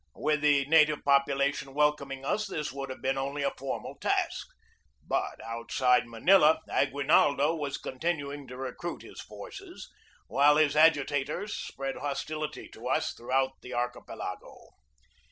With the native population welcoming us this would have been only a formal task. But outside Manila Aguinaldo was continuing to recruit his forces, while his agitators spread hostility to us throughout the archipelago.